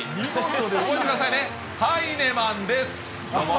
覚えてくださいね、ハイネマンです。